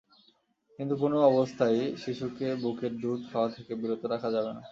কিন্তু কোনো অবস্থায়ই শিশুকে বুকের দুধ খাওয়ানো থেকে বিরত রাখা যাবে না।